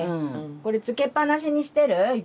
これ、つけっ放しにしてる？